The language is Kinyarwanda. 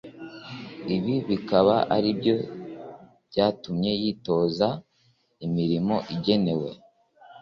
Ibi akaba ari byo byatumye yitoza imirimo igenewe